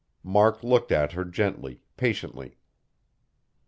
Mark looked at her gently, patiently.